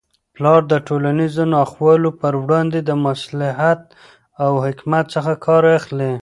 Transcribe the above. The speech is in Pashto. پلار د ټولنیزو ناخوالو په وړاندې د مصلحت او حکمت څخه کار اخلي.